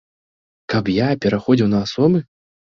Каб я пераходзіў на асобы?